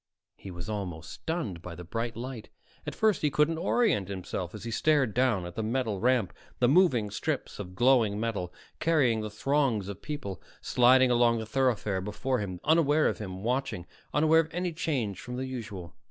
He was almost stunned by the bright light. At first he couldn't orient himself as he stared down at the metal ramp, the moving strips of glowing metal carrying the throngs of people, sliding along the thoroughfare before him, unaware of him watching, unaware of any change from the usual.